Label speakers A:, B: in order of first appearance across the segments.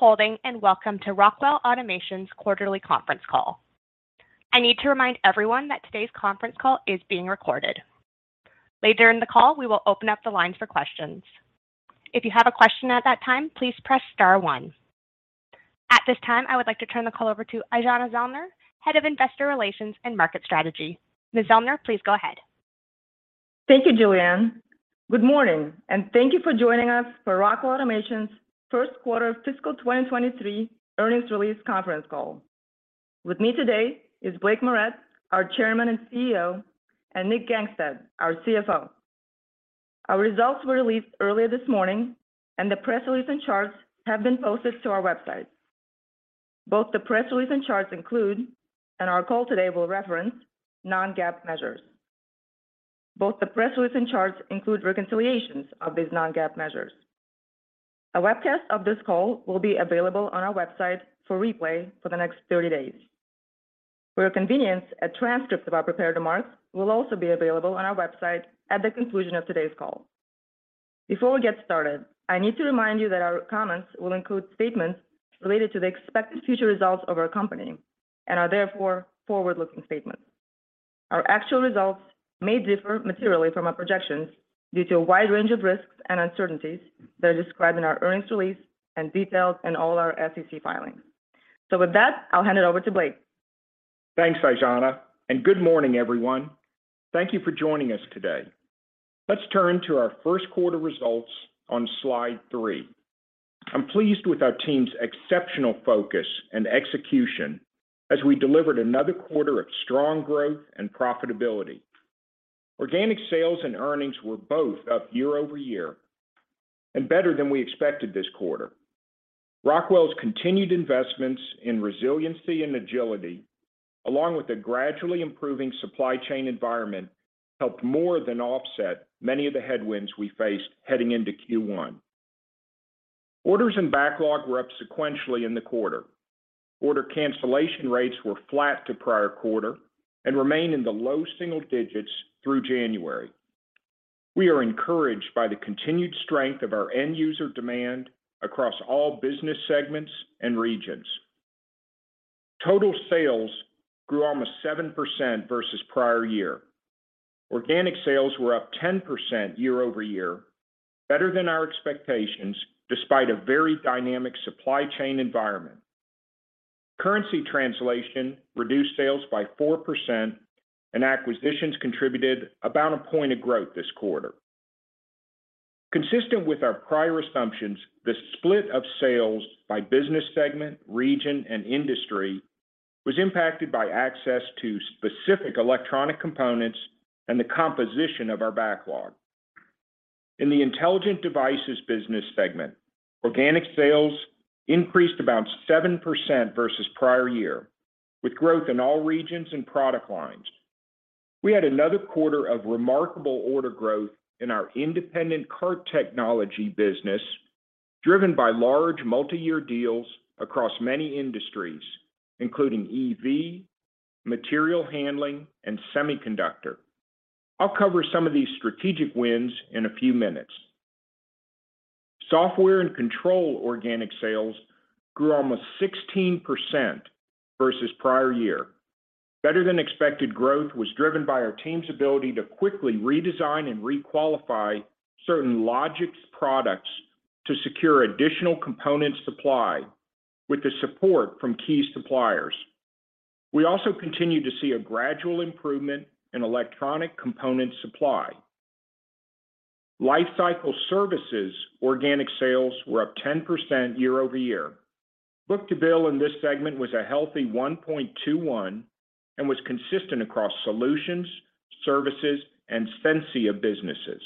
A: Thank you for holding. Welcome to Rockwell Automation's Quarterly conference call. I need to remind everyone that today's conference call is being recorded. Later in the call, we will open up the lines for questions. If you have a question at that time, please press star one. At this time, I would like to turn the call over to Aijana Zellner, Head of Investor Relations and Market Strategy. Ms. Zellner, please go ahead.
B: Thank you, Julianne. Good morning, and thank you for joining us for Rockwell Automation's First Quarter of Fiscal 2023 earnings release conference call. With me today is Blake Moret, our Chairman and CEO, and Nick Gangestad, our CFO. Our results were released earlier this morning. The press release and charts have been posted to our website. Both the press release and charts include, and our call today will reference, non-GAAP measures. Both the press release and charts include reconciliations of these non-GAAP measures. A webcast of this call will be available on our website for replay for the next 30 days. For your convenience, a transcript of our prepared remarks will also be available on our website at the conclusion of today's call. Before we get started, I need to remind you that our comments will include statements related to the expected future results of our company and are therefore forward-looking statements. Our actual results may differ materially from our projections due to a wide range of risks and uncertainties that are described in our earnings release and detailed in all our SEC filings. With that, I'll hand it over to Blake.
C: Thanks, Aijana. Good morning, everyone. Thank you for joining us today. Let's turn to our first quarter results on slide three. I'm pleased with our team's exceptional focus and execution as we delivered another quarter of strong growth and profitability. Organic sales and earnings were both up year-over-year and better than we expected this quarter. Rockwell's continued investments in resiliency and agility, along with a gradually improving supply chain environment, helped more than offset many of the headwinds we faced heading into Q1. Orders and backlog were up sequentially in the quarter. Order cancellation rates were flat to prior quarter and remain in the low single digits through January. We are encouraged by the continued strength of our end user demand across all business segments and regions. Total sales grew almost 7% versus prior year. Organic sales were up 10% year-over-year, better than our expectations despite a very dynamic supply chain environment. Currency translation reduced sales by 4% and acquisitions contributed about a point of growth this quarter. Consistent with our prior assumptions, the split of sales by business segment, region, and industry was impacted by access to specific electronic components and the composition of our backlog. In the intelligent devices business segment, organic sales increased about 7% versus prior year with growth in all regions and product lines. We had another quarter of remarkable order growth in our independent cart technology business driven by large multi-year deals across many industries, including EV, material handling, and semiconductor. I'll cover some of these strategic wins in a few minutes. Software and control organic sales grew almost 16% versus prior year. Better than expected growth was driven by our team's ability to quickly redesign and re-qualify certain Logix products to secure additional component supply with the support from key suppliers. We also continue to see a gradual improvement in electronic component supply. Life cycle services organic sales were up 10% year-over-year. Book-to-bill in this segment was a healthy 1.21 and was consistent across solutions, services, and Sensia businesses.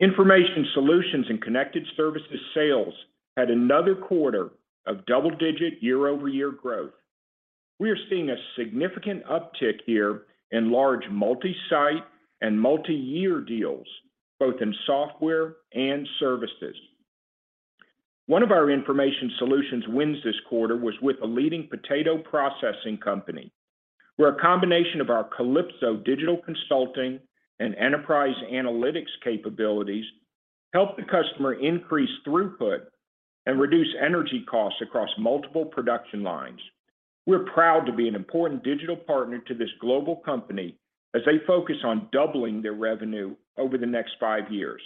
C: Information solutions and connected services sales had another quarter of double-digit year-over-year growth. We are seeing a significant uptick here in large multi-site and multi-year deals, both in software and services. One of our information solutions wins this quarter was with a leading potato processing company, where a combination of our Kalypso digital consulting and enterprise analytics capabilities helped the customer increase throughput and reduce energy costs across multiple production lines. We're proud to be an important digital partner to this global company as they focus on doubling their revenue over the next five years.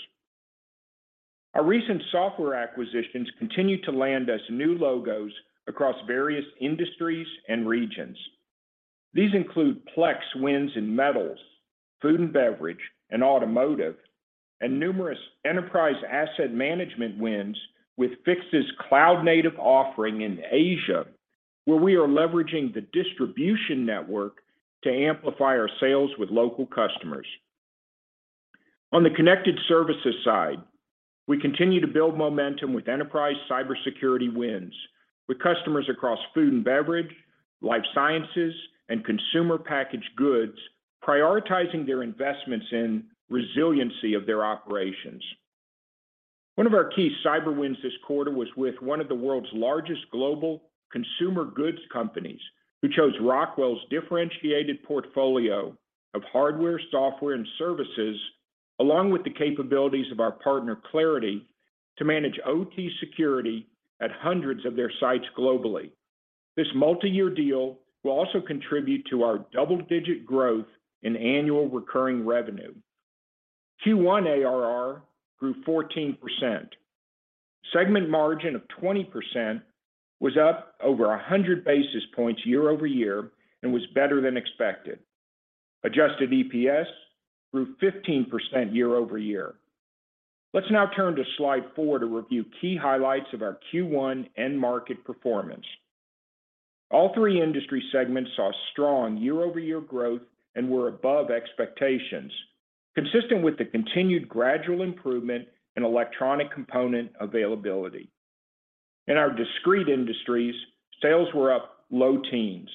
C: Our recent software acquisitions continue to land us new logos across various industries and regions. These include Plex wins in metals, food and beverage, and automotive, and numerous enterprise asset management wins with Fiix cloud native offering in Asia, where we are leveraging the distribution network to amplify our sales with local customers. On the connected services side, we continue to build momentum with enterprise cybersecurity wins with customers across food and beverage, life sciences, and consumer packaged goods prioritizing their investments in resiliency of their operations. One of our key cyber wins this quarter was with one of the world's largest global consumer goods companies who chose Rockwell's differentiated portfolio of hardware, software, and services, along with the capabilities of our partner, Claroty, to manage OT security at hundreds of their sites globally. This multi-year deal will also contribute to our double-digit growth in annual recurring revenue. Q1 ARR grew 14%. Segment margin of 20% was up over 100 basis points year-over-year and was better than expected. Adjusted EPS grew 15% year-over-year. Let's now turn to slide four to review key highlights of our Q1 end market performance. All three industry segments saw strong year-over-year growth and were above expectations, consistent with the continued gradual improvement in electronic component availability. In our discrete industries, sales were up low teens.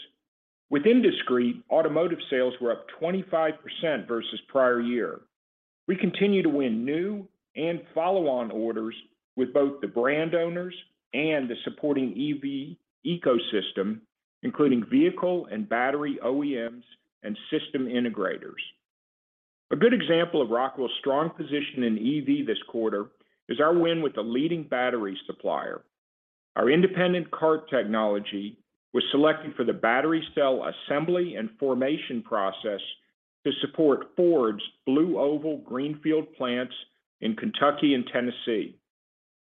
C: Within discrete, automotive sales were up 25% versus prior year. We continue to win new and follow-on orders with both the brand owners and the supporting EV ecosystem, including vehicle and battery OEMs and system integrators. A good example of Rockwell's strong position in EV this quarter is our win with a leading battery supplier. Our independent cart technology was selected for the battery cell assembly and formation process to support Ford's Blue Oval greenfield plants in Kentucky and Tennessee.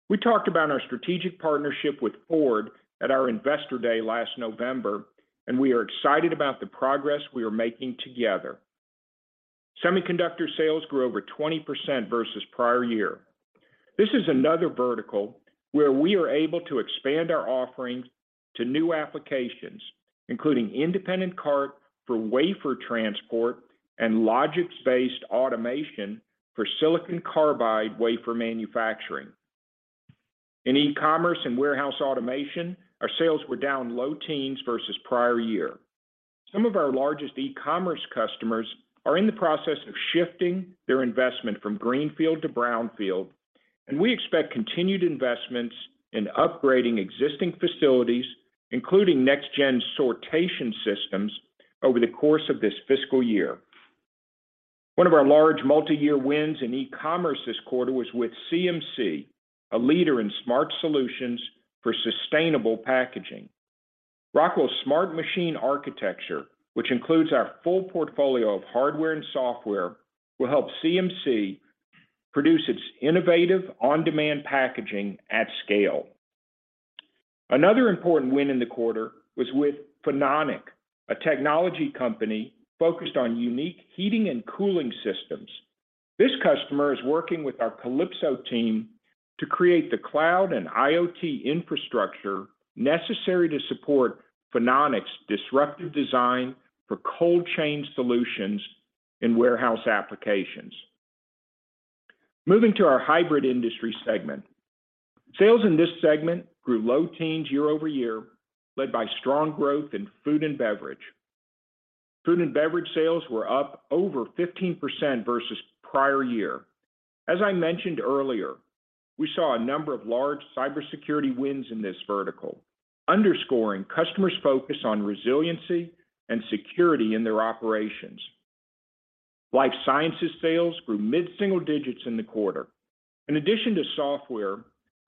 C: We talked about our strategic partnership with Ford at our investor day last November. We are excited about the progress we are making together. Semiconductor sales grew over 20% versus prior year. This is another vertical where we are able to expand our offerings to new applications, including independent cart for wafer transport and logistics-based automation for silicon carbide wafer manufacturing. In e-commerce and warehouse automation, our sales were down low teens versus prior year. Some of our largest e-commerce customers are in the process of shifting their investment from greenfield to brownfield, and we expect continued investments in upgrading existing facilities, including next gen sortation systems over the course of this fiscal year. One of our large multi-year wins in e-commerce this quarter was with CMC, a leader in smart solutions for sustainable packaging. Rockwell's Smart Machine architecture, which includes our full portfolio of hardware and software, will help CMC produce its innovative on-demand packaging at scale. Another important win in the quarter was with Phononic, a technology company focused on unique heating and cooling systems. This customer is working with our Kalypso team to create the cloud and IoT infrastructure necessary to support Phononic disruptive design for cold chain solutions in warehouse applications. Moving to our hybrid industry segment. Sales in this segment grew low teens year-over-year, led by strong growth in food and beverage. Food and beverage sales were up over 15% versus prior year. As I mentioned earlier, we saw a number of large cybersecurity wins in this vertical, underscoring customers' focus on resiliency and security in their operations. Life sciences sales grew mid-single digits in the quarter. In addition to software,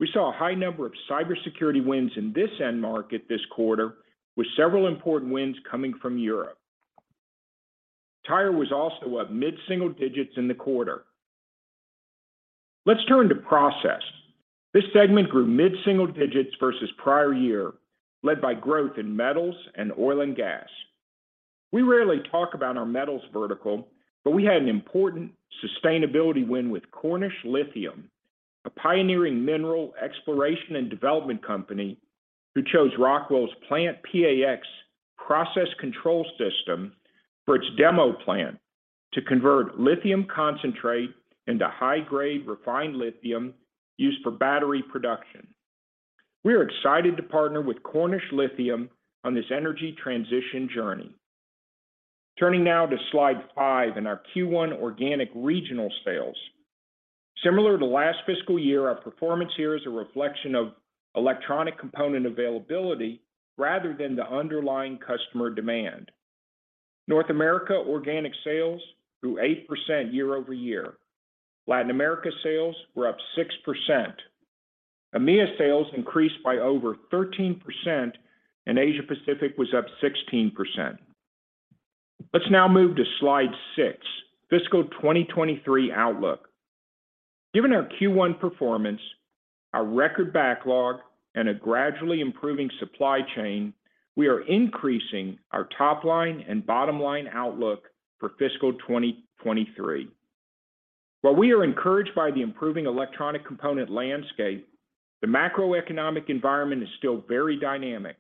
C: we saw a high number of cybersecurity wins in this end market this quarter, with several important wins coming from Europe. Tire was also up mid-single digits in the quarter. Let's turn to process. This segment grew mid-single digits versus prior year, led by growth in metals and oil and gas. We rarely talk about our metals vertical, but we had an important sustainability win with Cornish Lithium, a pioneering mineral exploration and development company who chose Rockwell's PlantPAx process control system for its demo plant to convert lithium concentrate into high-grade refined lithium used for battery production. We are excited to partner with Cornish Lithium on this energy transition journey. Turning now to slide five and our Q1 organic regional sales. Similar to last fiscal year, our performance here is a reflection of electronic component availability rather than the underlying customer demand. North America organic sales grew 8% year-over-year. Latin America sales were up 6%. EMEA sales increased by over 13%, and Asia-Pacific was up 16%. Let's now move to slide six, fiscal 2023 outlook. Given our Q1 performance, our record backlog, and a gradually improving supply chain, we are increasing our top line and bottom line outlook for fiscal 2023. While we are encouraged by the improving electronic component landscape, the macroeconomic environment is still very dynamic,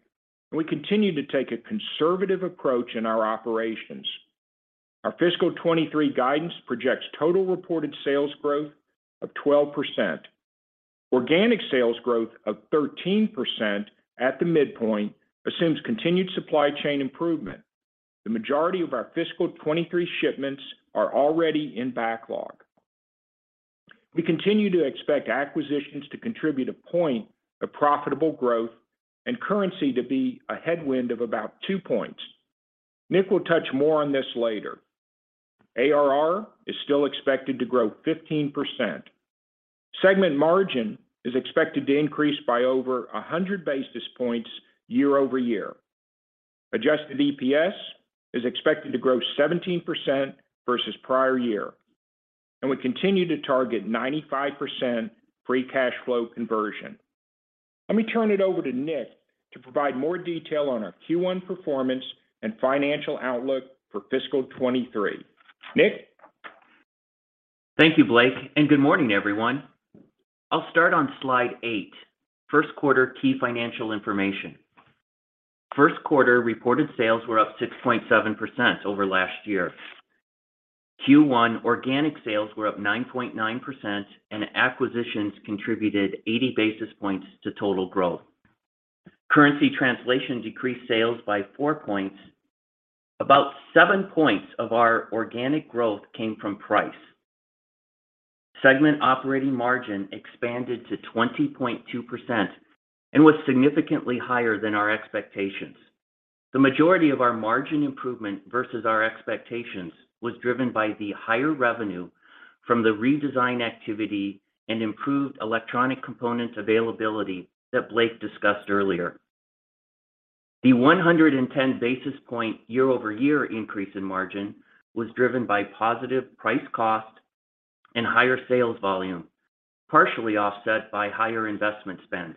C: and we continue to take a conservative approach in our operations. Our fiscal 2023 guidance projects total reported sales growth of 12%. Organic sales growth of 13% at the midpoint assumes continued supply chain improvement. The majority of our fiscal 2023 shipments are already in backlog. We continue to expect acquisitions to contribute one point of profitable growth and currency to be a headwind of about two points. Nick will touch more on this later. ARR is still expected to grow 15%. Segment margin is expected to increase by over 100 basis points year-over-year. Adjusted EPS is expected to grow 17% versus prior year, and we continue to target 95% free cash flow conversion. Let me turn it over to Nick to provide more detail on our Q1 performance and financial outlook for fiscal 2023. Nick?
D: Thank you, Blake. Good morning, everyone. I'll start on slide eight, Q1 key financial information. Q1 reported sales were up 6.7% over last year. Q1 organic sales were up 9.9%, and acquisitions contributed 80 basis points to total growth. Currency translation decreased sales by four points. About seven points of our organic growth came from price. Segment operating margin expanded to 20.2% and was significantly higher than our expectations. The majority of our margin improvement versus our expectations was driven by the higher revenue from the redesign activity and improved electronic components availability that Blake discussed earlier. The 110 basis point year-over-year increase in margin was driven by positive price cost and higher sales volume, partially offset by higher investment spend.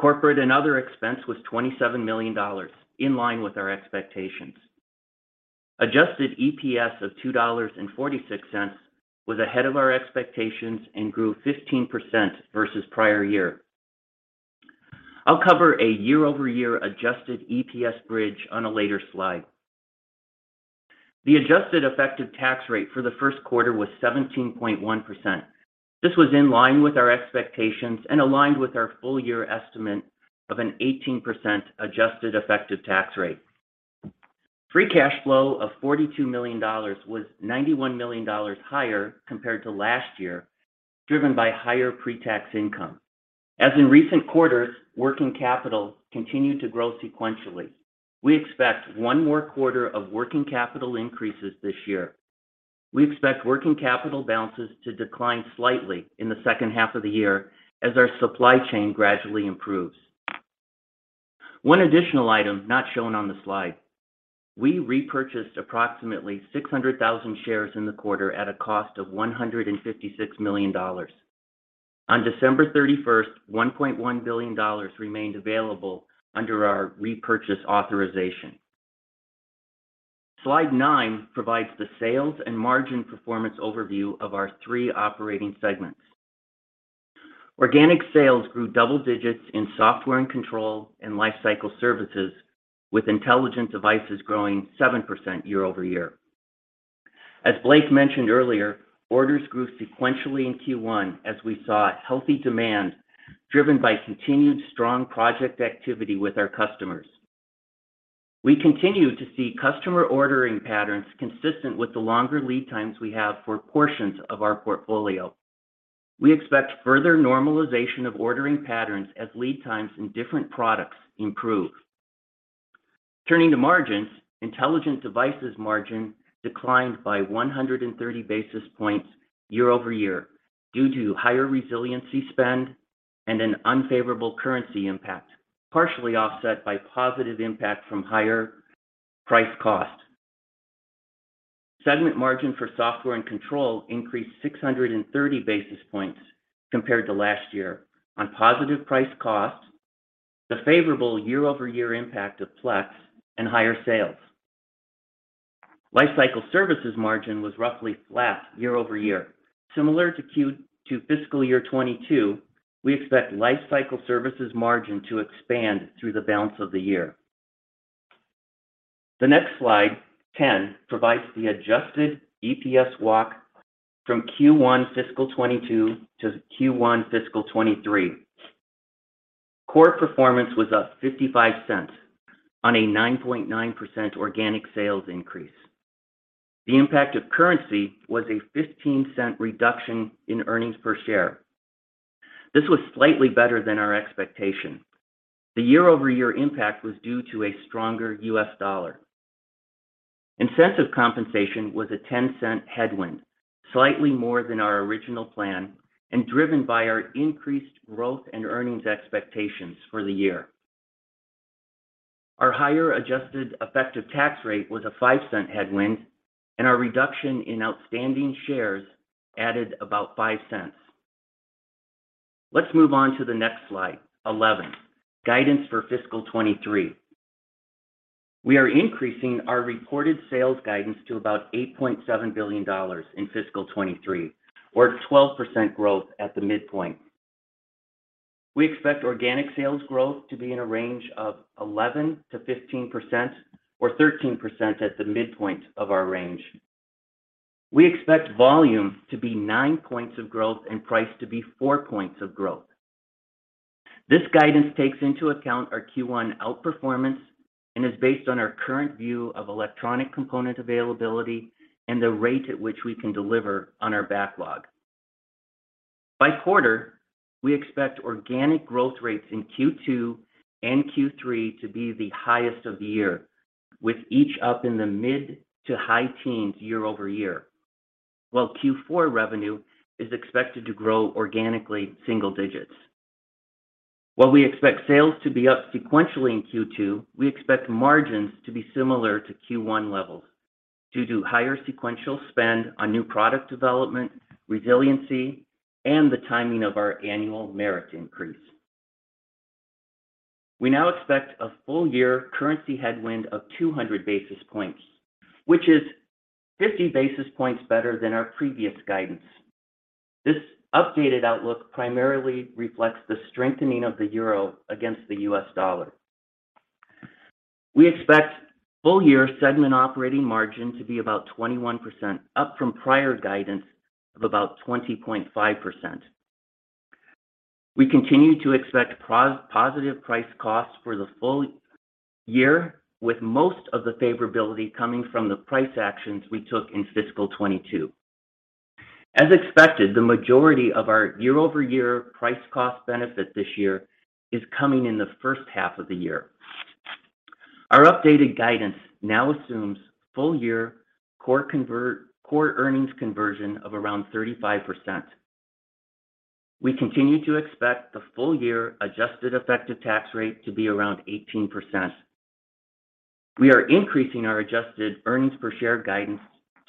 D: Corporate and other expense was $27 million, in line with our expectations. Adjusted EPS of $2.46 was ahead of our expectations and grew 15% versus prior year. I'll cover a year-over-year adjusted EPS bridge on a later slide. The adjusted effective tax rate for the first quarter was 17.1%. This was in line with our expectations and aligned with our full year estimate of an 18% adjusted effective tax rate. Free cash flow of $42 million was $91 million higher compared to last year, driven by higher pre-tax income. As in recent quarters, working capital continued to grow sequentially. We expect one more quarter of working capital increases this year. We expect working capital balances to decline slightly in the second half of the year as our supply chain gradually improves. One additional item not shown on the slide. We repurchased approximately 600,000 shares in the quarter at a cost of $156 million. On December 31st, $1.1 billion remained available under our repurchase authorization. Slide nine provides the sales and margin performance overview of our three operating segments. Organic sales grew double digits in software and control and lifecycle services, with intelligent devices growing 7% year-over-year. As Blake mentioned earlier, orders grew sequentially in Q1 as we saw healthy demand driven by continued strong project activity with our customers. We continue to see customer ordering patterns consistent with the longer lead times we have for portions of our portfolio. We expect further normalization of ordering patterns as lead times in different products improve. Turning to margins, Intelligent Devices margin declined by 130 basis points year-over-year due to higher resiliency spend and an unfavorable currency impact, partially offset by positive impact from higher price cost. Segment margin for Software and Control increased 630 basis points compared to last year on positive price cost, the favorable year-over-year impact of Plex, and higher sales. Lifecycle Services margin was roughly flat year-over-year. Similar to fiscal year 2022, we expect Lifecycle Services margin to expand through the balance of the year. The next slide, 10, provides the adjusted EPS walk from Q1 fiscal 2022 to Q1 fiscal 2023. Core performance was up $0.55 on a 9.9% organic sales increase. The impact of currency was a $0.15 reduction in earnings per share. This was slightly better than our expectation. The year-over-year impact was due to a stronger U.S. dollar. Incentive compensation was a $0.10 headwind, slightly more than our original plan, and driven by our increased growth and earnings expectations for the year. Our higher adjusted effective tax rate was a $0.05 headwind, and our reduction in outstanding shares added about $0.05. Let's move on to the next slide, 11, guidance for fiscal 2023. We are increasing our reported sales guidance to about $8.7 billion in fiscal 2023, or 12% growth at the midpoint. We expect organic sales growth to be in a range of 11%-15% or 13% at the midpoint of our range. We expect volume to be nine points of growth and price to be four points of growth. This guidance takes into account our Q1 outperformance and is based on our current view of electronic component availability and the rate at which we can deliver on our backlog. By quarter, we expect organic growth rates in Q2 and Q3 to be the highest of the year, with each up in the mid to high teens year-over-year, while Q4 revenue is expected to grow organically single digits. While we expect sales to be up sequentially in Q2, we expect margins to be similar to Q1 levels due to higher sequential spend on new product development, resiliency, and the timing of our annual merit increase. We now expect a full year currency headwind of 200 basis points, which is 50 basis points better than our previous guidance. This updated outlook primarily reflects the strengthening of the euro against the US dollar. We expect full year segment operating margin to be about 21%, up from prior guidance of about 20.5%. We continue to expect positive price costs for the full year, with most of the favorability coming from the price actions we took in fiscal 2022. As expected, the majority of our year-over-year price cost benefit this year is coming in the first half of the year. Our updated guidance now assumes full year core earnings conversion of around 35%. We continue to expect the full year adjusted effective tax rate to be around 18%. We are increasing our adjusted earnings per share guidance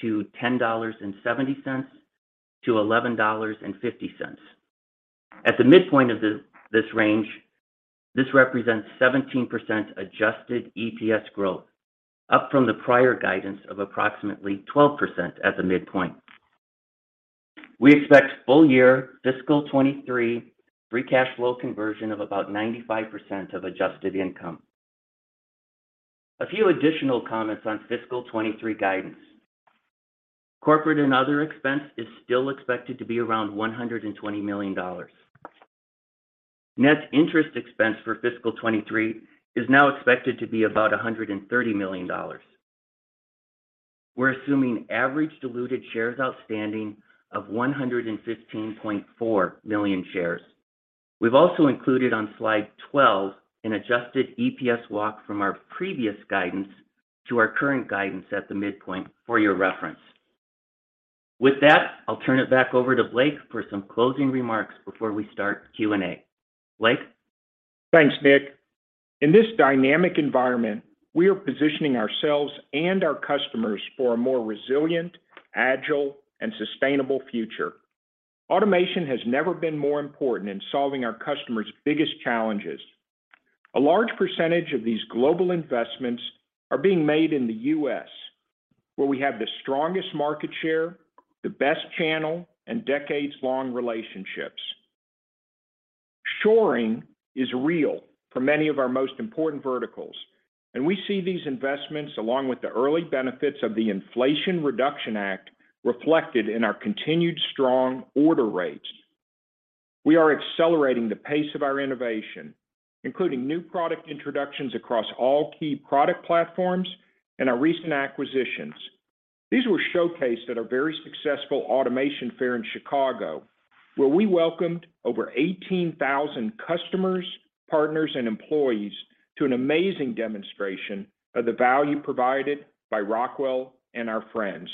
D: to $10.70-$11.50. At the midpoint of this range, this represents 17% adjusted EPS growth, up from the prior guidance of approximately 12% at the midpoint. We expect full year fiscal 23 free cash flow conversion of about 95% of adjusted income. A few additional comments on fiscal 23 guidance. Corporate and other expense is still expected to be around $120 million. Net interest expense for fiscal 23 is now expected to be about $130 million. We're assuming average diluted shares outstanding of 115.4 million shares. We've also included on slide 12 an adjusted EPS walk from our previous guidance to our current guidance at the midpoint for your reference. With that, I'll turn it back over to Blake for some closing remarks before we start Q&A. Blake?
C: Thanks, Nick. In this dynamic environment, we are positioning ourselves and our customers for a more resilient, agile, and sustainable future. Automation has never been more important in solving our customers' biggest challenges. A large percentage of these global investments are being made in the U.S., where we have the strongest market share, the best channel, and decades-long relationships. Shoring is real for many of our most important verticals, and we see these investments, along with the early benefits of the Inflation Reduction Act, reflected in our continued strong order rates. We are accelerating the pace of our innovation, including new product introductions across all key product platforms and our recent acquisitions. These were showcased at our very successful Automation Fair in Chicago, where we welcomed over 18,000 customers, partners, and employees to an amazing demonstration of the value provided by Rockwell and our friends.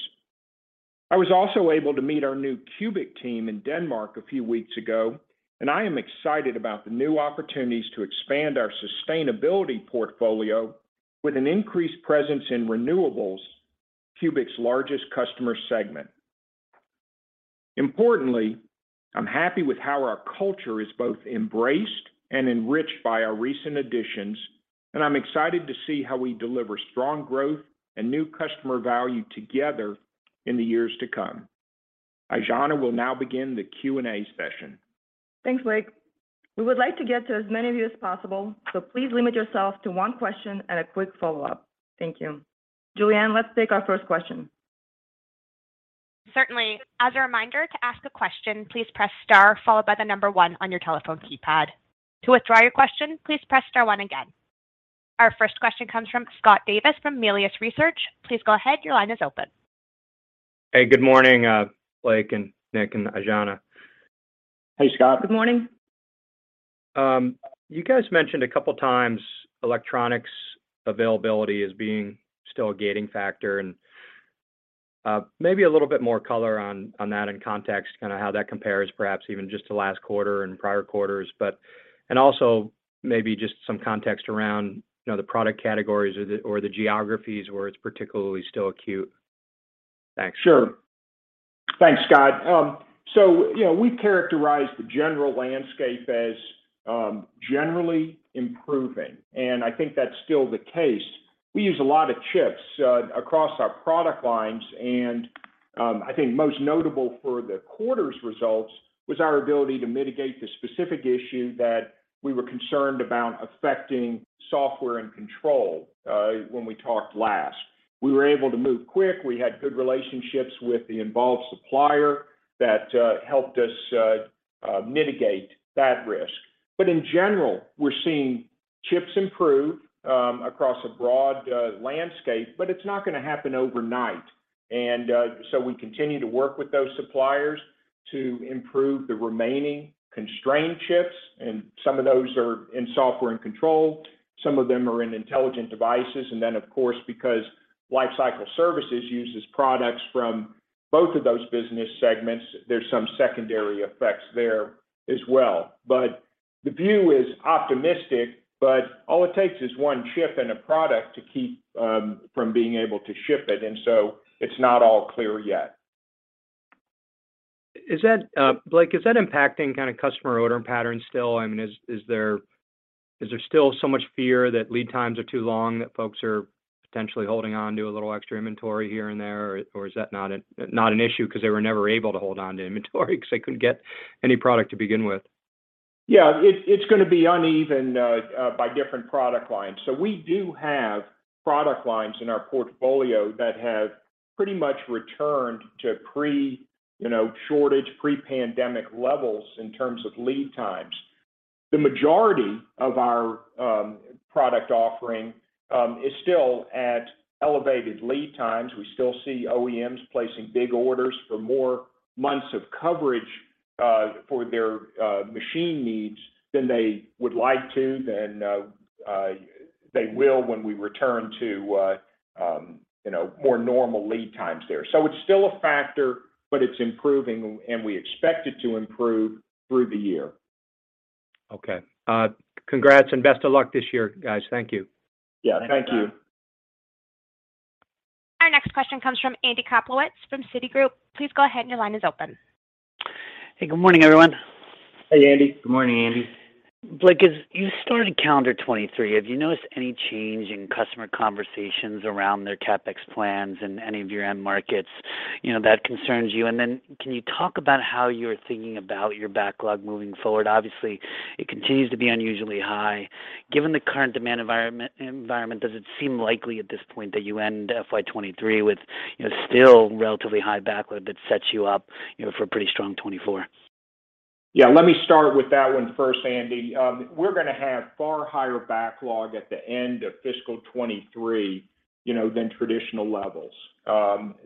C: I was also able to meet our new CUBIC team in Denmark a few weeks ago, and I am excited about the new opportunities to expand our sustainability portfolio with an increased presence in renewables, CUBIC's largest customer segment. Importantly, I'm happy with how our culture is both embraced and enriched by our recent additions, and I'm excited to see how we deliver strong growth and new customer value together in the years to come. Aijana will now begin the Q&A session.
B: Thanks, Blake. We would like to get to as many of you as possible, so please limit yourself to one question and a quick follow-up. Thank you. Julianne, let's take our first question.
A: Certainly. As a reminder, to ask a question, please press star followed by one on your telephone keypad. To withdraw your question, please press star one again. Our first question comes from Scott Davis from Melius Research. Please go ahead. Your line is open.
E: Hey, good morning, Blake and Nick and Aijana.
C: Hey, Scott.
B: Good morning.
E: You guys mentioned a couple times electronics availability as being still a gating factor and maybe a little bit more color on that in context, kind of how that compares perhaps even just to last quarter and prior quarters. Also maybe just some context around, you know, the product categories or the geographies where it's particularly still acute. Thanks.
C: Sure. Thanks, Scott. You know, we characterize the general landscape as generally improving, and I think that's still the case. We use a lot of chips across our product lines, and I think most notable for the quarter's results was our ability to mitigate the specific issue that we were concerned about affecting software and control when we talked last. We were able to move quick. We had good relationships with the involved supplier that helped us mitigate that risk. In general, we're seeing chips improve across a broad landscape, but it's not gonna happen overnight. So we continue to work with those suppliers to improve the remaining constrained chips, and some of those are in software and control, some of them are in intelligent devices. Of course, because lifecycle services uses products from both of those business segments, there's some secondary effects there as well. The view is optimistic, but all it takes is one chip in a product to keep from being able to ship it. It's not all clear yet.
E: Is that, Blake, is that impacting kind of customer order and patterns still? I mean, is there still so much fear that lead times are too long, that folks are potentially holding on to a little extra inventory here and there? Or is that not an issue because they were never able to hold onto inventory because they couldn't get any product to begin with?
C: Yeah. It's gonna be uneven by different product lines. We do have product lines in our portfolio that have pretty much returned to pre, you know, shortage, pre-pandemic levels in terms of lead times. The majority of our product offering is still at elevated lead times. We still see OEMs placing big orders for more months of coverage for their machine needs than they would like to, than they will when we return to, you know, more normal lead times there. It's still a factor, but it's improving, and we expect it to improve through the year.
E: Okay. Congrats and best of luck this year, guys. Thank you.
C: Yeah. Thank you.
A: Our next question comes from Andy Kaplowitz from Citigroup. Please go ahead, your line is open.
F: Hey, good morning, everyone.
C: Hey, Andy.
D: Good morning, Andy.
F: Blake, as you started calendar 2023, have you noticed any change in customer conversations around their CapEx plans in any of your end markets, you know, that concerns you? Then can you talk about how you're thinking about your backlog moving forward? Obviously, it continues to be unusually high. Given the current demand environment, does it seem likely at this point that you end FY 2023 with, you know, still relatively high backlog that sets you up, you know, for a pretty strong 2024?
C: Yeah, let me start with that one first, Andy. We're gonna have far higher backlog at the end of fiscal 2023, you know, than traditional levels.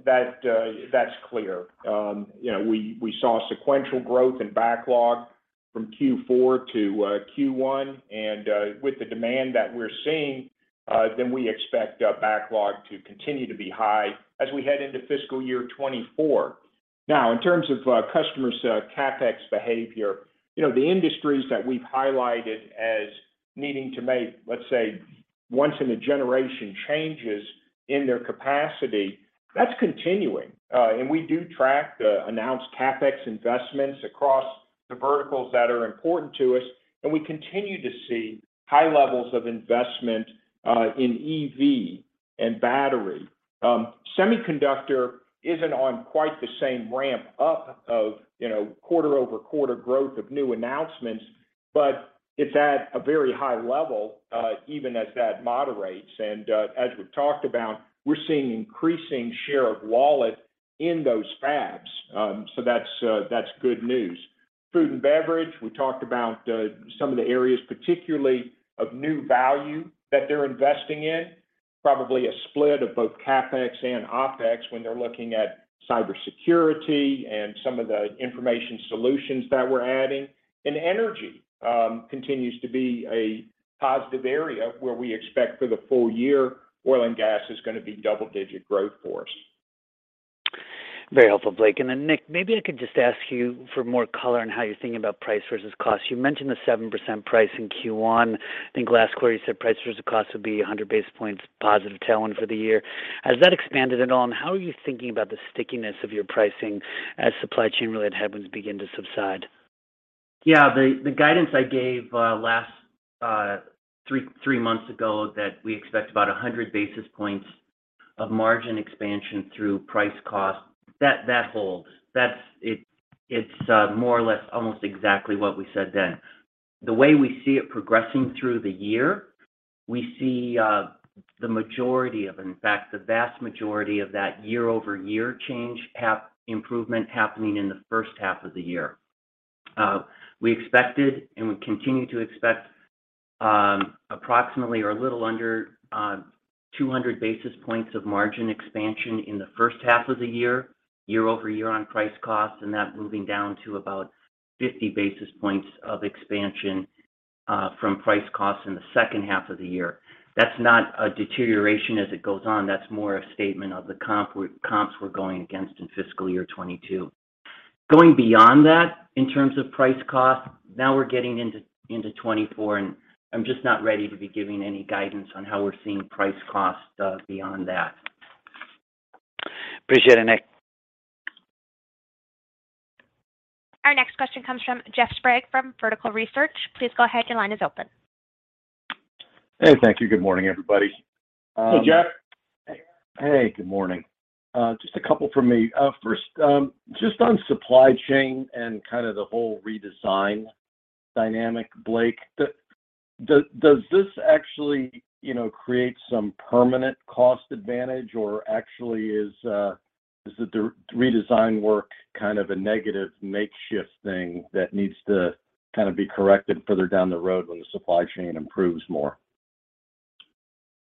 C: That's clear. You know, we saw sequential growth in backlog from Q4 to Q1. With the demand that we're seeing, then we expect backlog to continue to be high as we head into fiscal year 2024. In terms of customers' CapEx behavior, you know, the industries that we've highlighted as needing to make, let's say, once in a generation changes in their capacity, that's continuing. We do track the announced CapEx investments across the verticals that are important to us, and we continue to see high levels of investment in EV and battery. Semiconductor isn't on quite the same ramp up of, you know, quarter-over-quarter growth of new announcements, but it's at a very high level even as that moderates. As we've talked about, we're seeing increasing share of wallet in those fabs. That's good news. Food and beverage, we talked about some of the areas particularly of new value that they're investing in, probably a split of both CapEx and OpEx when they're looking at cybersecurity and some of the information solutions that we're adding. Energy continues to be a positive area where we expect for the full year oil and gas is gonna be double-digit growth for us.
F: Very helpful, Blake. Nick, maybe I could just ask you for more color on how you're thinking about price versus cost. You mentioned the 7% price in Q1. I think last quarter you said price versus cost would be 100 basis points positive tailwind for the year. Has that expanded at all, and how are you thinking about the stickiness of your pricing as supply chain-related headwinds begin to subside?
D: Yeah. The guidance I gave last three months ago that we expect about 100 basis points of margin expansion through price cost, that holds. That's it. It's more or less almost exactly what we said then. The way we see it progressing through the year, we see the majority of, and in fact, the vast majority of that year-over-year improvement happening in the first half of the year. We expected and we continue to expect approximately or a little under 200 basis points of margin expansion in the first half of the year-over-year on price cost, and that moving down to about 50 basis points of expansion from price cost in the second half of the year. That's not a deterioration as it goes on. That's more a statement of the comps we're going against in fiscal year 2022. Going beyond that in terms of price cost, now we're getting into 2024. I'm just not ready to be giving any guidance on how we're seeing price cost beyond that.
F: Appreciate it, Nick.
A: Our next question comes from Jeff Sprague from Vertical Research. Please go ahead, your line is open.
G: Hey. Thank you. Good morning, everybody.
C: Hey, Jeff.
G: Hey. Good morning. Just a couple from me. First, just on supply chain and kind of the whole redesign dynamic, Blake. Does this actually, you know, create some permanent cost advantage? Or actually is the redesign work kind of a negative makeshift thing that needs to kind of be corrected further down the road when the supply chain improves more?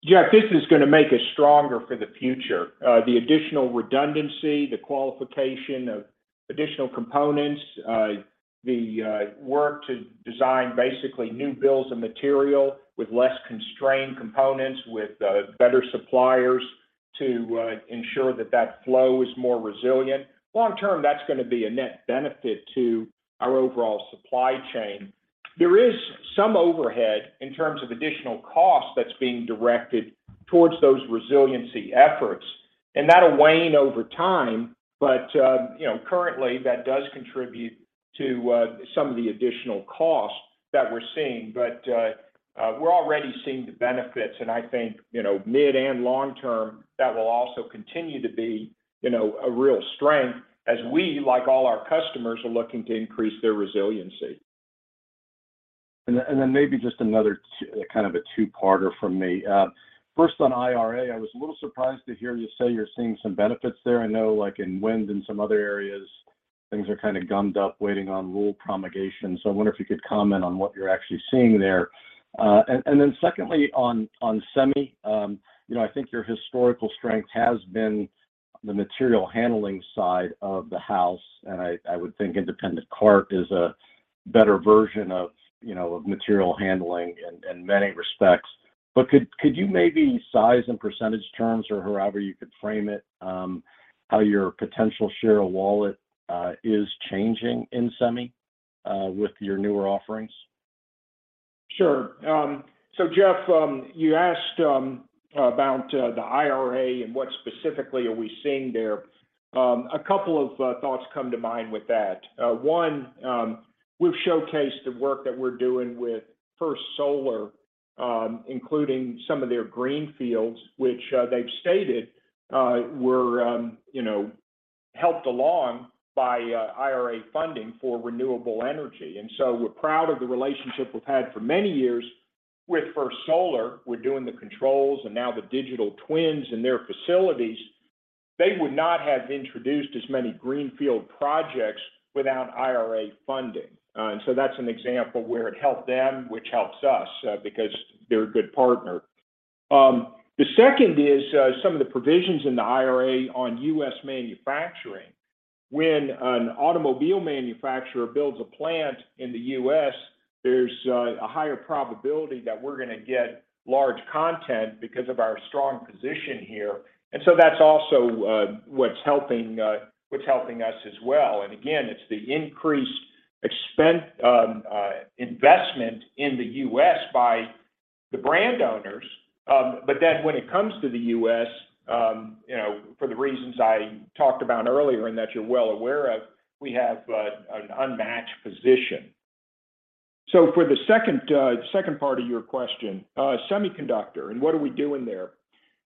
C: Jeff, this is gonna make us stronger for the future. The additional redundancy, the qualification of additional components, the work to design basically new builds of material with less constrained components, with better suppliers to ensure that that flow is more resilient. Long term, that's gonna be a net benefit to our overall supply chain. There is some overhead in terms of additional cost that's being directed towards those resiliency efforts, and that'll wane over time. You know, currently, that does contribute to some of the additional costs that we're seeing. We're already seeing the benefits, and I think, you know, mid and long term, that will also continue to be, you know, a real strength as we, like all our customers, are looking to increase their resiliency.
G: Then maybe just another kind of a two-parter from me. First on IRA, I was a little surprised to hear you say you're seeing some benefits there. I know, like in wind and some other areas, things are kind of gummed up waiting on rule promulgation. I wonder if you could comment on what you're actually seeing there. Then secondly, on semi, you know, I think your historical strength has been the material handling side of the house, and I would think independent cart is a better version of, you know, of material handling in many respects. Could you maybe size in percentage terms or however you could frame it, how your potential share of wallet is changing in semi with your newer offerings?
C: Sure. Jeff, you asked about the IRA and what specifically are we seeing there. A couple of thoughts come to mind with that. One, we've showcased the work that we're doing with First Solar, including some of their greenfields, which they've stated were helped along by IRA funding for renewable energy. We're proud of the relationship we've had for many years with First Solar. We're doing the controls and now the digital twins in their facilities. They would not have introduced as many greenfield projects without IRA funding. That's an example where it helped them, which helps us because they're a good partner. The second is some of the provisions in the IRA on U.S. manufacturing. When an automobile manufacturer builds a plant in the U.S., there's a higher probability that we're gonna get large content because of our strong position here. That's also what's helping us as well. Again, it's the increased expense investment in the U.S. by the brand owners. When it comes to the U.S., you know, for the reasons I talked about earlier and that you're well aware of, we have an unmatched position. For the second part of your question, semiconductor and what are we doing there.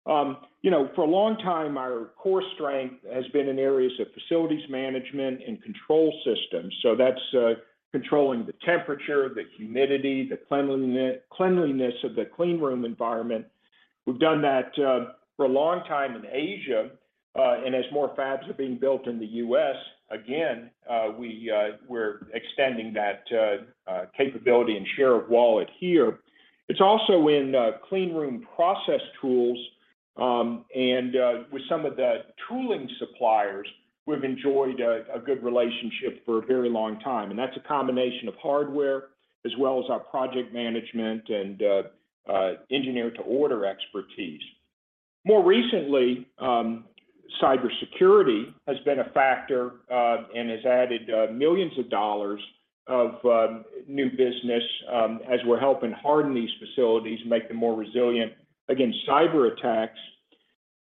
C: You know, for a long time, our core strength has been in areas of facilities management and control systems, that's controlling the temperature, the humidity, the cleanliness of the clean room environment. We've done that for a long time in Asia. As more fabs are being built in the U.S., again, we're extending that capability and share of wallet here. It's also in clean room process tools, and with some of the tooling suppliers, we've enjoyed a good relationship for a very long time, and that's a combination of hardware as well as our project management and engineer-to-order expertise. More recently, cybersecurity has been a factor, and has added millions of dollars of new business, as we're helping harden these facilities, make them more resilient against cyberattacks.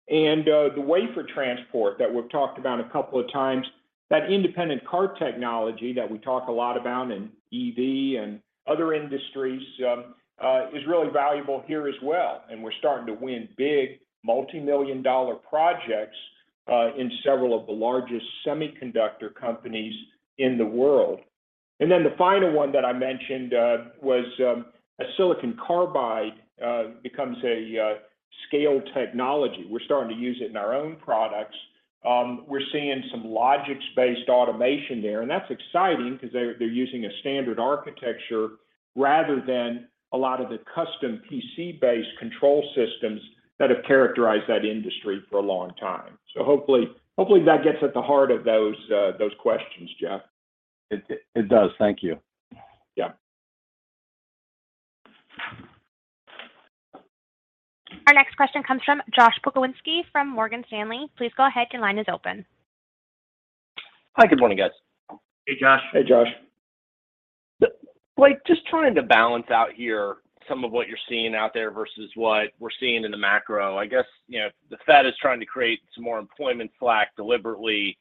C: The wafer transport that we've talked about a couple of times, that independent cart technology that we talk a lot about in EV and other industries, is really valuable here as well, and we're starting to win big multimillion-dollar projects, in several of the largest semiconductor companies in the world. Then the final one that I mentioned, was as silicon carbide becomes a scale technology. We're starting to use it in our own products. We're seeing some Logix-based automation there, and that's exciting 'cause they're using a standard architecture rather than a lot of the custom PC-based control systems that have characterized that industry for a long time. Hopefully, hopefully that gets at the heart of those questions, Jeff.
G: It does. Thank you.
C: Yeah.
A: Our next question comes from Josh Pokrzywinski from Morgan Stanley. Please go ahead, your line is open.
H: Hi, good morning, guys.
C: Hey, Josh.
G: Hey, Josh.
H: Blake, just trying to balance out here some of what you're seeing out there versus what we're seeing in the macro. I guess, you know, the FEED is trying to create some more employment slack deliberately,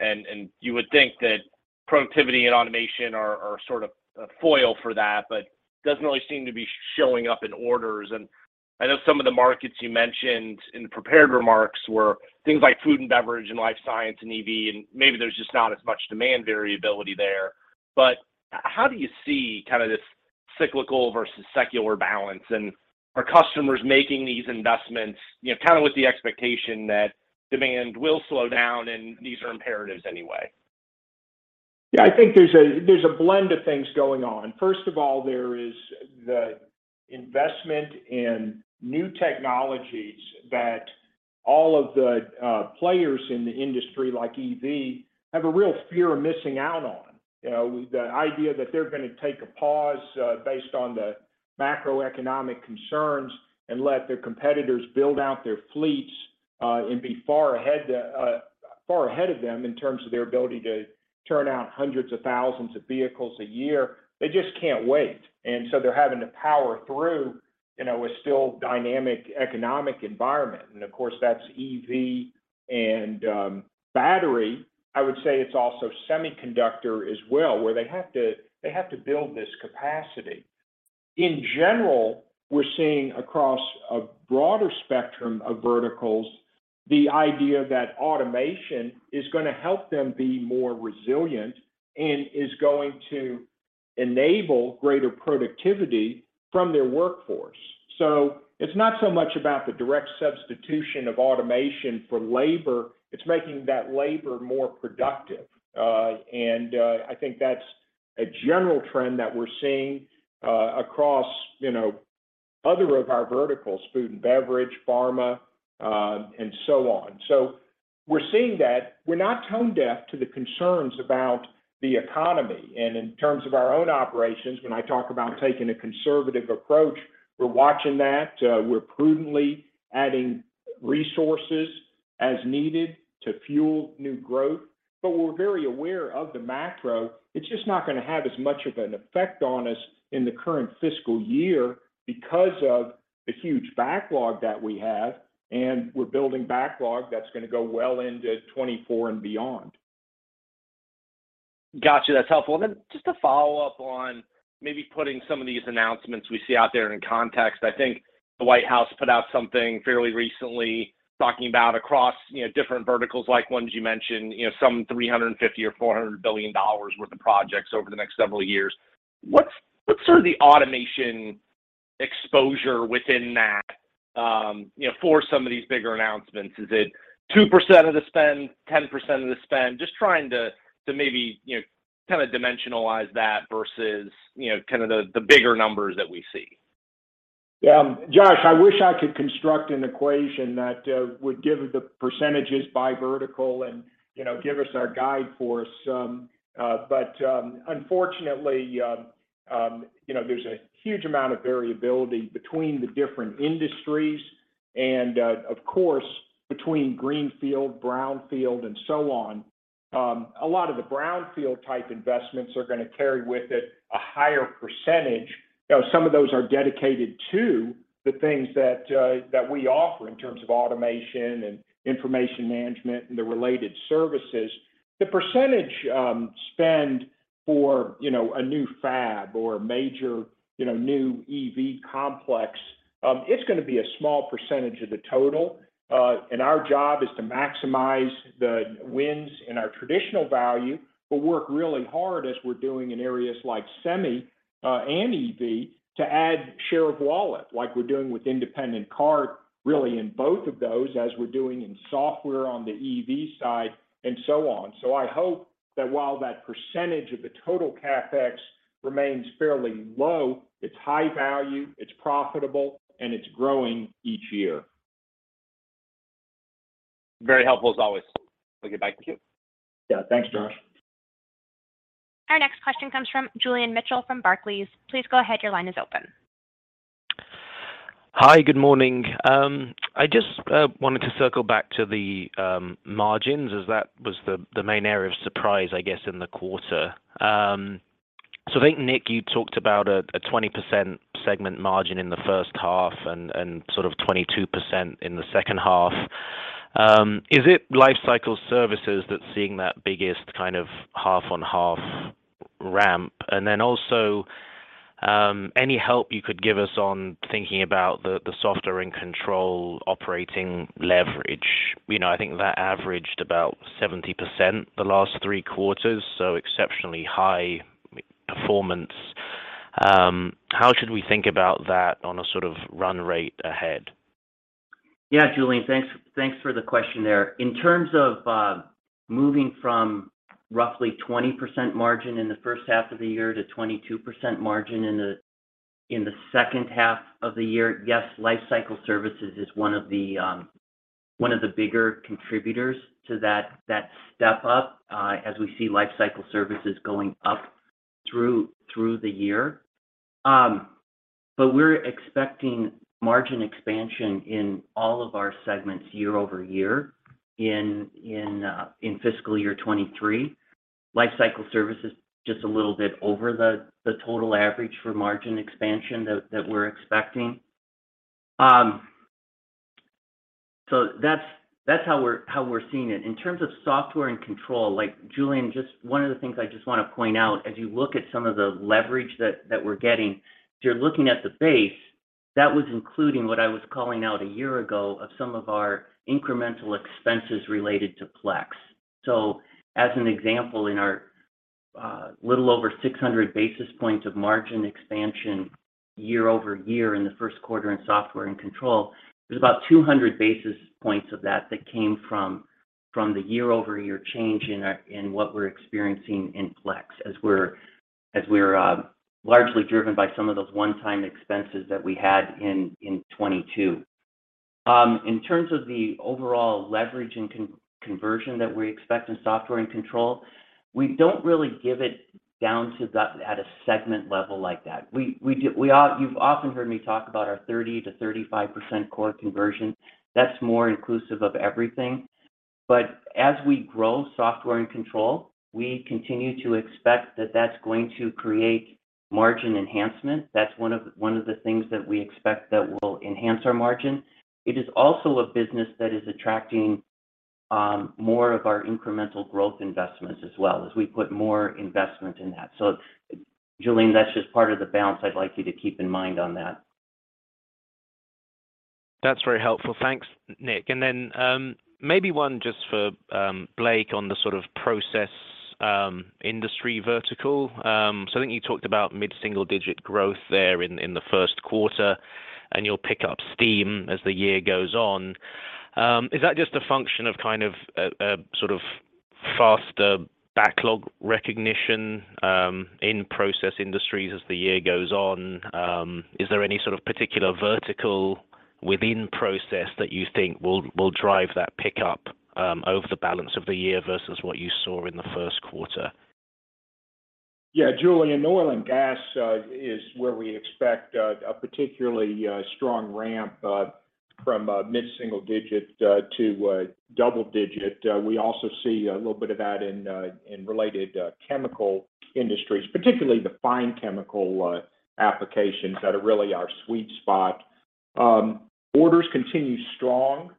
H: and you would think that productivity and automation are sort of a foil for that, but doesn't really seem to be showing up in orders. I know some of the markets you mentioned in the prepared remarks were things like food and beverage, and life science, and EV, and maybe there's just not as much demand variability there. How do you see kind of this cyclical versus secular balance? Are customers making these investments, you know, kind of with the expectation that demand will slow down and these are imperatives anyway?
C: Yeah, I think there's a blend of things going on. First of all, there is the investment in new technologies that all of the players in the industry, like EV, have a real fear of missing out on. You know, the idea that they're gonna take a pause based on the macroeconomic concerns and let their competitors build out their fleets and be far ahead, far ahead of them in terms of their ability to turn out hundreds of thousands of vehicles a year, they just can't wait. So they're having to power through, you know, a still dynamic economic environment. Of course, that's EV and battery. I would say it's also semiconductor as well, where they have to build this capacity. In general, we're seeing across a broader spectrum of verticals the idea that automation is gonna help them be more resilient and is going to enable greater productivity from their workforce. It's not so much about the direct substitution of automation for labor, it's making that labor more productive. And I think that's a general trend that we're seeing across, you know, other of our verticals, food and beverage, pharma, and so on. We're seeing that. We're not tone deaf to the concerns about the economy. In terms of our own operations, when I talk about taking a conservative approach, we're watching that, we're prudently adding resources as needed to fuel new growth. We're very aware of the macro, it's just not gonna have as much of an effect on us in the current fiscal year because of the huge backlog that we have, and we're building backlog that's gonna go well into 2024 and beyond.
H: Gotcha, that's helpful. Then just to follow up on maybe putting some of these announcements we see out there in context. I think the White House put out something fairly recently talking about across, you know, different verticals, like ones you mentioned, you know, some $350 billion or $400 billion worth of projects over the next several years. What's sort of the automation exposure within that, you know, for some of these bigger announcements? Is it 2% of the spend, 10% of the spend? Just trying to maybe, you know, kind of dimensionalize that versus, you know, kind of the bigger numbers that we see.
C: Josh, I wish I could construct an equation that would give the percentages by vertical and, you know, give us our guide for some. Unfortunately, you know, there's a huge amount of variability between the different industries and, of course, between greenfield, brownfield, and so on. A lot of the brownfield type investments are gonna carry with it a higher percentage, though some of those are dedicated to the things that we offer in terms of automation and information management and the related services. The percentage spend for, you know, a new fab or a major, you know, new EV complex, it's gonna be a small percentage of the total. Our job is to maximize the wins in our traditional value, but work really hard as we're doing in areas like semi and EV, to add share of wallet, like we're doing with independent cart, really in both of those, as we're doing in software on the EV side and so on. I hope that while that % of the total CapEx remains fairly low, it's high value, it's profitable, and it's growing each year.
H: Very helpful as always. We'll get back to you.
C: Yeah. Thanks, Josh.
A: Our next question comes from Julian Mitchell from Barclays. Please go ahead, your line is open.
I: Hi. Good morning. I just wanted to circle back to the margins as that was the main area of surprise, I guess, in the quarter. I think, Nick, you talked about a 20% segment margin in the first half and sort of 22% in the second half. Is it lifecycle services that's seeing that biggest kind of half-on-half ramp? And then also, any help you could give us on thinking about the software and control operating leverage? You know, I think that averaged about 70% the last three quarters, so exceptionally high performance. How should we think about that on a sort of run rate ahead?
D: Yeah. Julian, thanks for the question there. In terms of moving from roughly 20% margin in the first half of the year to 22% margin in the second half of the year, yes, lifecycle services is one of the bigger contributors to that step up, as we see lifecycle services going up through the year. We're expecting margin expansion in all of our segments year-over-year in fiscal year 2023. Lifecycle services just a little bit over the total average for margin expansion that we're expecting. That's how we're seeing it. In terms of software and control, like Julian, just one of the things I just want to point out as you look at some of the leverage that we're getting, if you're looking at the base, that was including what I was calling out a year ago of some of our incremental expenses related to Plex. As an example, in our little over 600 basis points of margin expansion year-over-year in the first quarter in software and control, there's about 200 basis points of that that came from the year-over-year change in what we're experiencing in Plex as we're largely driven by some of those one-time expenses that we had in 2022. In terms of the overall leverage and conversion that we expect in software and control, we don't really give it down to the at a segment level like that. You've often heard me talk about our 30%-35% core conversion. That's more inclusive of everything. As we grow software and control, we continue to expect that that's going to create margin enhancement. That's one of the things that we expect that will enhance our margin. It is also a business that is attracting more of our incremental growth investments as well, as we put more investment in that. Julian, that's just part of the balance I'd like you to keep in mind on that.
I: That's very helpful. Thanks, Nick. Maybe one just for Blake on the sort of process industry vertical. I think you talked about mid-single digit growth there in the first quarter, and you'll pick up steam as the year goes on. Is that just a function of kind of a sort of faster backlog recognition in process industries as the year goes on? Is there any sort of particular vertical within process that you think will drive that pickup over the balance of the year versus what you saw in the first quarter?
C: Julian, oil and gas is where we expect a particularly strong ramp from mid-single digit to double digit. We also see a little bit of that in related chemical industries, particularly the fine chemical applications that are really our sweet spot. Orders continue strong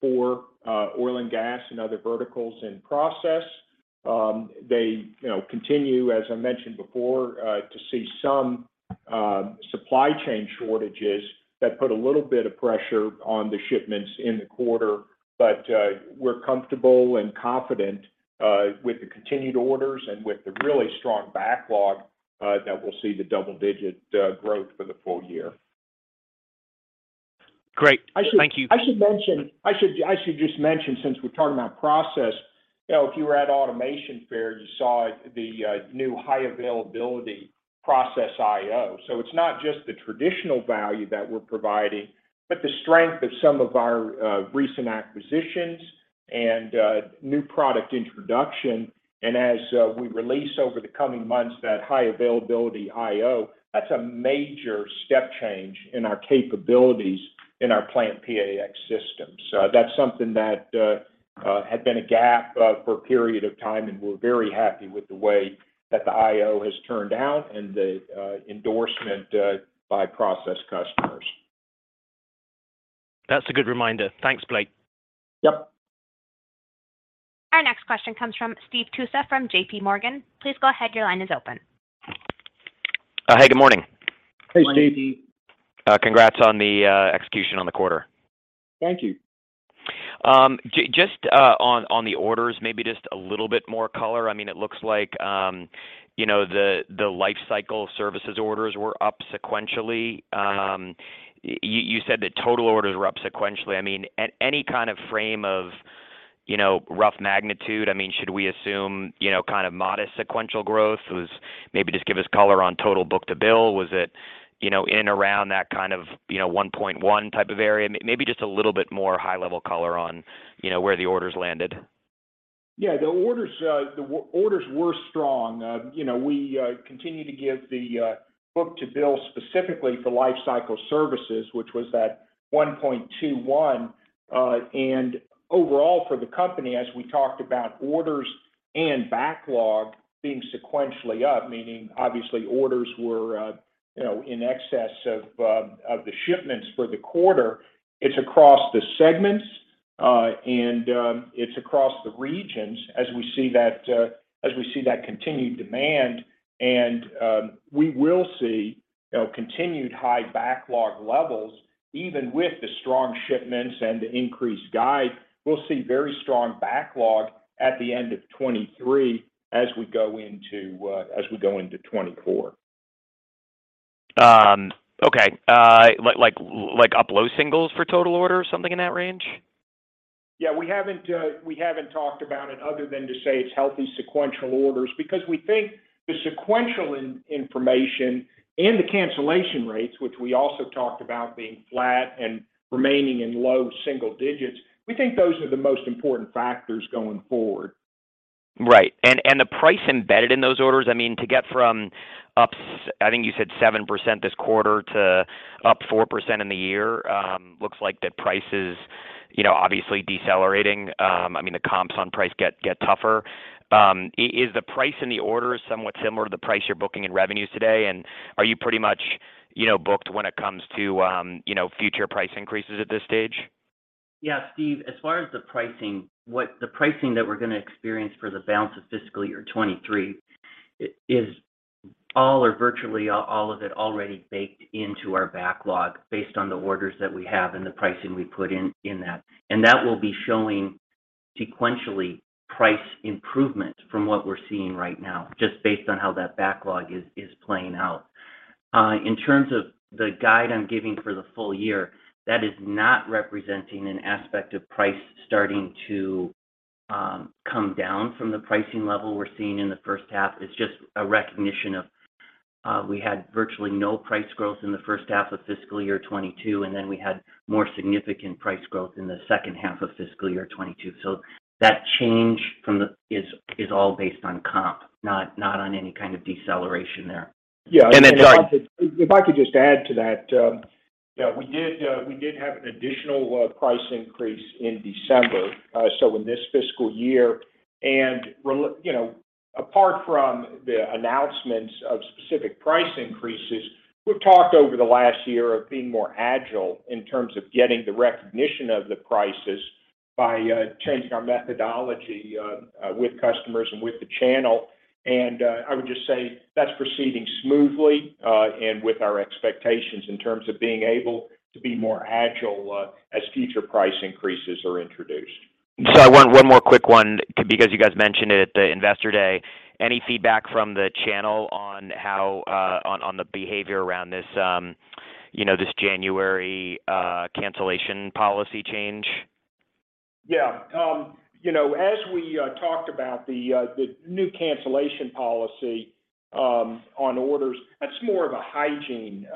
C: for oil and gas and other verticals in process. They, you know, continue, as I mentioned before, to see some supply chain shortages that put a little bit of pressure on the shipments in the quarter. We're comfortable and confident with the continued orders and with the really strong backlog that we'll see the double-digit growth for the full year.
I: Great. Thank you.
C: I should just mention, since we're talking about process, you know, if you were at Automation Fair, you saw the new high availability process IO. It's not just the traditional value that we're providing, but the strength of some of our recent acquisitions and new product introduction. As we release over the coming months that high availability IO, that's a major step change in our capabilities in our PlantPAx system. That's something that had been a gap for a period of time, and we're very happy with the way that the IO has turned out and the endorsement by process customers.
I: That's a good reminder. Thanks, Blake.
C: Yep.
A: Our next question comes from Steve Tusa from JPMorgan. Please go ahead, your line is open.
J: Hey, good morning.
C: Hey, Steve.
D: Good morning, Steve.
J: Congrats on the execution on the quarter.
C: Thank you.
J: Just on the orders, maybe just a little bit more color. I mean, it looks like, you know, the lifecycle services orders were up sequentially. You said that total orders were up sequentially. I mean, any kind of frame of, you know, rough magnitude? I mean, should we assume, you know, kind of modest sequential growth? Maybe just give us color on total book to bill. Was it, you know, in and around that kind of, you know, 1.1 type of area? Maybe just a little bit more high-level color on, you know, where the orders landed.
C: Yeah. The orders were strong. You know, we continue to give the book-to-bill specifically for lifecycle services, which was that 1.21. Overall for the company, as we talked about orders and backlog being sequentially up, meaning obviously orders were, you know, in excess of the shipments for the quarter. It's across the segments, and it's across the regions as we see that as we see that continued demand. We will see, you know, continued high backlog levels, even with the strong shipments and the increased guide. We'll see very strong backlog at the end of 2023 as we go into 2024.
J: Okay. Like up low singles for total order or something in that range?
C: Yeah. We haven't talked about it other than to say it's healthy sequential orders because we think the sequential information and the cancellation rates, which we also talked about being flat and remaining in low single digits. We think those are the most important factors going forward.
J: Right. The price embedded in those orders, I mean, to get from up I think you said 7% this quarter to up 4% in the year, looks like the price is, you know, obviously decelerating. I mean, the comps on price get tougher. Is the price in the order somewhat similar to the price you're booking in revenues today? Are you pretty much, you know, booked when it comes to, you know, future price increases at this stage?
D: Yeah, Steve, as far as the pricing, what the pricing that we're gonna experience for the balance of fiscal year 2023 is all or virtually all of it already baked into our backlog based on the orders that we have and the pricing we put in that. That will be showing sequentially price improvement from what we're seeing right now, just based on how that backlog is playing out. In terms of the guide I'm giving for the full year, that is not representing an aspect of price starting to come down from the pricing level we're seeing in the first half. It's just a recognition of, we had virtually no price growth in the first half of fiscal year 2022, and then we had more significant price growth in the second half of fiscal year 2022. That change from the is all based on comp, not on any kind of deceleration there.
C: Yeah.
D: And it's like-
C: If I could just add to that, yeah, we did have an additional price increase in December, so in this fiscal year. You know, apart from the announcements of specific price increases, we've talked over the last year of being more agile in terms of getting the recognition of the prices by changing our methodology with customers and with the channel. I would just say that's proceeding smoothly and with our expectations in terms of being able to be more agile as future price increases are introduced.
J: I want one more quick one because you guys mentioned it at the Investor Day. Any feedback from the channel on how, on the behavior around this, you know, this January, cancellation policy change?
C: Yeah. You know, as we talked about the new cancellation policy on orders, that's more of a hygiene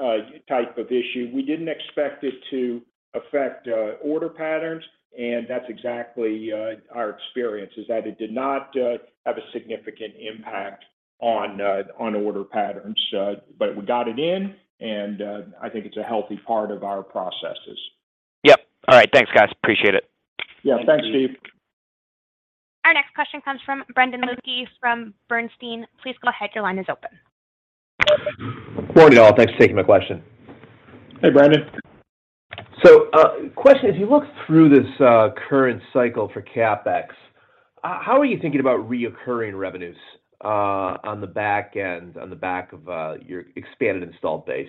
C: type of issue. We didn't expect it to affect order patterns, and that's exactly our experience is that it did not have a significant impact on order patterns. We got it in, and I think it's a healthy part of our processes.
J: Yep. All right. Thanks, guys. Appreciate it.
C: Yeah. Thanks, Steve.
D: Thank you.
A: Our next question comes from Brendan Luecke from Bernstein. Please go ahead. Your line is open.
K: Good morning, all. Thanks for taking my question.
C: Hey, Brendan.
K: Question, as you look through this, current cycle for CapEx, how are you thinking about recurring revenues, on the back end, on the back of, your expanded installed base?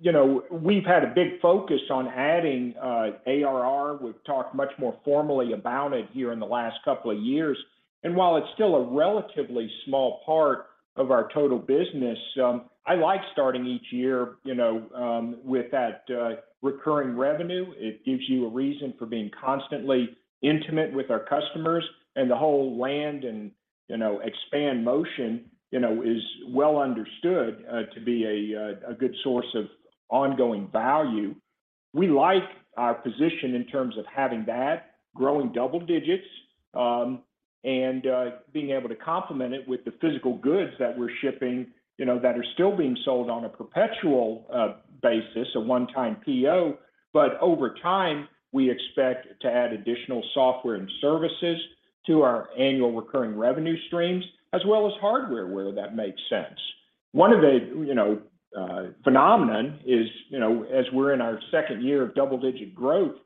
C: You know, we've had a big focus on adding ARR. We've talked much more formally about it here in the last couple of years. While it's still a relatively small part of our total business, I like starting each year with that recurring revenue. It gives you a reason for being constantly intimate with our customers and the whole land and expand motion is well understood to be a good source of ongoing value. We like our position in terms of having that growing double-digits, and being able to complement it with the physical goods that we're shipping that are still being sold on a perpetual basis, a one-time PO. Over time, we expect to add additional software and services to our annual recurring revenue streams, as well as hardware, where that makes sense. One of the, you know, phenomenon is, you know, as we're in our second year of double-digit growth,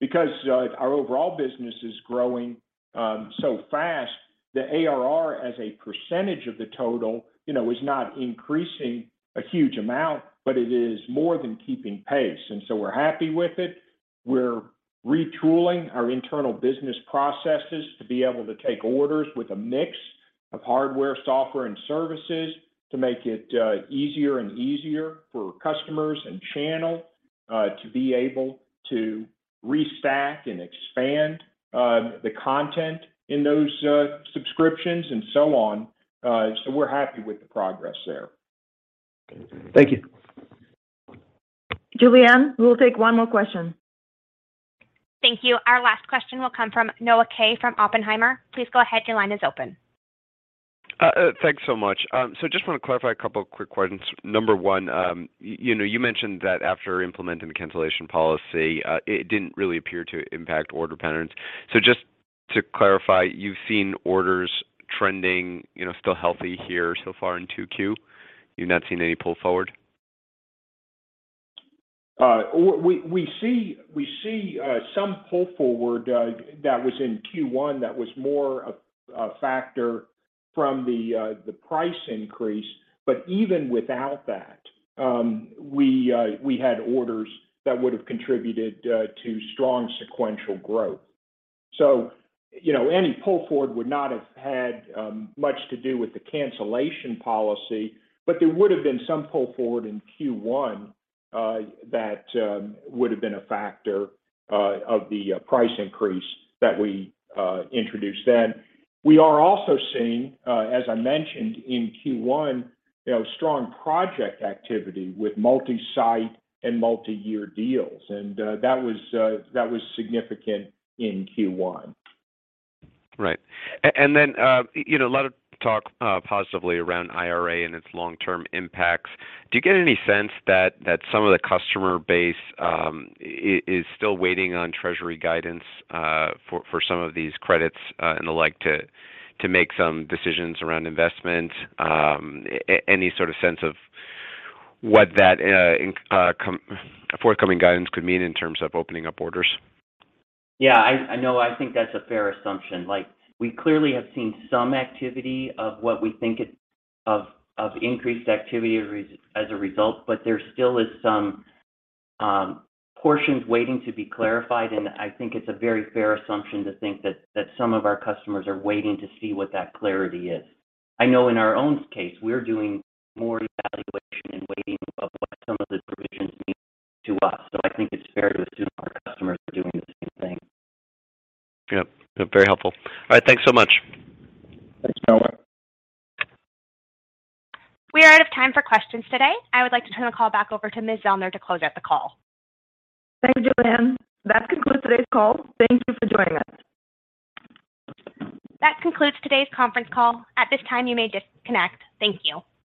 C: because our overall business is growing so fast, the ARR as a percentage of the total, you know, is not increasing a huge amount, but it is more than keeping pace. We're happy with it. We're retooling our internal business processes to be able to take orders with a mix of hardware, software, and services to make it easier and easier for customers and channel to be able to restack and expand the content in those subscriptions and so on. We're happy with the progress there.
K: Thank you.
D: Julianne, we'll take one more question.
A: Thank you. Our last question will come from Noah Kaye from Oppenheimer. Please go ahead. Your line is open.
L: Thanks so much. Just wanna clarify a couple of quick questions. Number one, you know, you mentioned that after implementing the cancellation policy, it didn't really appear to impact order patterns. Just to clarify, you've seen orders trending, you know, still healthy here so far in 2Q? You've not seen any pull forward?
C: We see some pull forward that was in Q1 that was more a factor from the price increase. Even without that, we had orders that would have contributed to strong sequential growth. You know, any pull forward would not have had much to do with the cancellation policy, but there would have been some pull forward in Q1 that would have been a factor of the price increase that we introduced then. We are also seeing, as I mentioned in Q1, you know, strong project activity with multi-site and multi-year deals. That was that was significant in Q1.
L: Right. Then, you know, a lot of talk positively around IRA and its long-term impacts. Do you get any sense that some of the customer base is still waiting on Treasury guidance for some of these credits and the like to make some decisions around investment? Any sort of sense of what that forthcoming guidance could mean in terms of opening up orders?
D: Yeah, I know, I think that's a fair assumption. Like, we clearly have seen some activity of what we think is of increased activity as a result, but there still is some portions waiting to be clarified. I think it's a very fair assumption to think that some of our customers are waiting to see what that clarity is. I know in our own case, we're doing more evaluation and waiting of what some of the provisions mean to us. I think it's fair to assume our customers are doing the same thing.
L: Yep. Very helpful. All right. Thanks so much.
C: Thanks, Noah.
A: We are out of time for questions today. I would like to turn the call back over to Ms. Zellner to close out the call.
B: Thank you, Julianne. That concludes today's call. Thank you for joining us.
A: That concludes today's conference call. At this time, you may disconnect. Thank you.